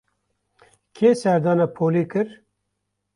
Kê serdana polê kir?